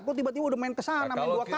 kok tiba tiba udah main kesana main dua tahun